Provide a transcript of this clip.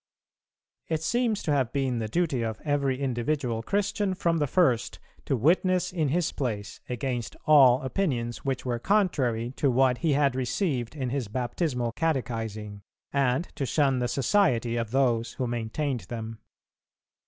It seems to have been the duty of every individual Christian from the first to witness in his place against all opinions which were contrary to what he had received in his baptismal catechizing, and to shun the society of those who maintained them.